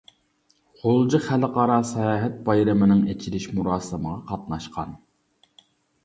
غۇلجا خەلقئارا ساياھەت بايرىمىنىڭ ئېچىلىش مۇراسىمىغا قاتناشقان.